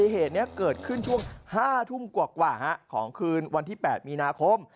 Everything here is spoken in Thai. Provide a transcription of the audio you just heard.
เหตุนี้เกิดขึ้นช่วง๕ทุ่มกว่าของคืนวันที่๘มีนาคม